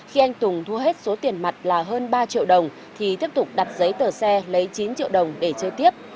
khi anh tùng thua hết số tiền mặt là hơn ba triệu đồng thì tiếp tục đặt giấy tờ xe lấy chín triệu đồng để chơi tiếp